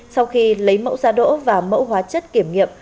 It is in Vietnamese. sau khi lấy mẫu da đỗ và mẫu hóa chất kiểm nghiệm